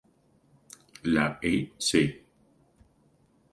La ec.